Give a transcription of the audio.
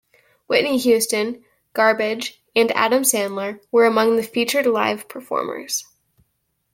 Whitney Houston, Garbage and Adam Sandler were among the featured live performers.